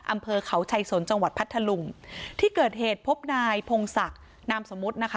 อำเภอเขาชัยสนจังหวัดพัทธลุงที่เกิดเหตุพบนายพงศักดิ์นามสมมุตินะคะ